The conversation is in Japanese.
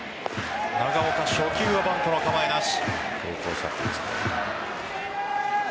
長岡、初球はバントの構えなし。